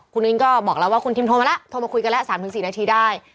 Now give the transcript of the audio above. คุณอิงก็บอกแล้วว่าคุณทิมโทรมาแล้วโทรมาคุยกันแล้ว๓๔นาทีได้